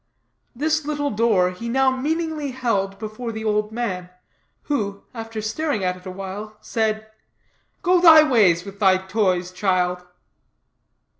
This little door he now meaningly held before the old man, who, after staring at it a while, said: "Go thy ways with thy toys, child."